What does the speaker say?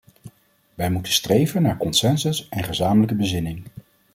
Wij moeten streven naar consensus en gezamenlijke bezinning.